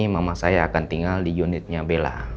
mama saya akan tinggal di unitnya bella